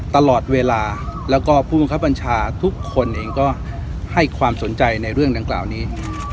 ตลอดเวลาแล้วก็ผู้บังคับบัญชาทุกคนเองก็ให้ความสนใจในเรื่องดังกล่าวนี้